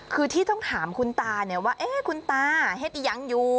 คือที่ต้องถามคุณตาเนี่ยว่าคุณตาเห็ดอียังอยู่